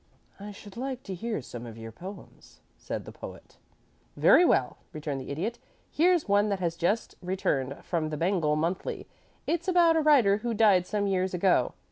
"I should like to hear some of your poems," said the Poet. "Very well," returned the Idiot. "Here's one that has just returned from the Bengal Monthly. It's about a writer who died some years ago.